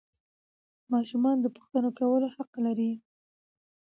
ماشومان د پوښتنو کولو حق لري